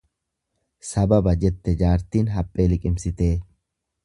Sababa jette jaartiin haphee liqimsitee.